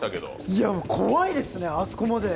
いや、怖いですね、あそこまで。